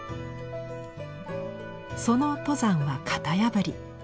その登山は型破り。